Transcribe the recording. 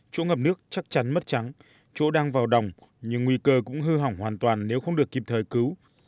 chỗ ngập nước chắc chắn mất trắng chỗ đang vào đồng nhưng nguy cơ cũng hư hỏng hoàn toàn nếu không được kịp thời cứu